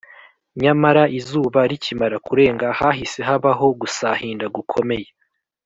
nyamara izuba rikimara kurenga hahise habaho gusahinda gukomeye